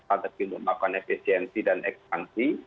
untuk melakukan efisiensi dan ekspansi